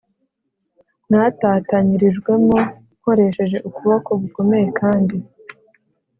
mwatatanyirijwemo nkoresheje ukuboko gukomeye kandi